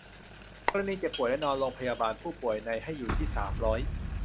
กรณีเจ็บป่วยและนอนโรงพยาบาล ผู้ป่วยใน ให้อยู่ที่ สามร้อย